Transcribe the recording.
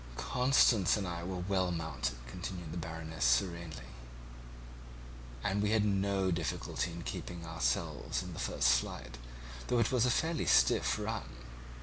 "Constance and I were well mounted," continued the Baroness serenely, "and we had no difficulty in keeping ourselves in the first flight, though it was a fairly stiff run.